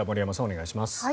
お願いします。